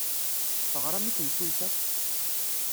Teɣram i temsulta?